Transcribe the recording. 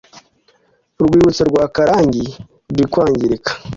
urwibutso rwa karangi rurikwangirika.